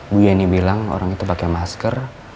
bu yeni bilang orang itu pakai masker